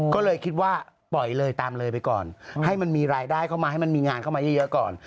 ก็เลยคิดว่าปล่อยเลยตามเลยไปก่อนให้มันมีรายได้เข้ามาให้มันมีงานเข้ามาเยอะก่อน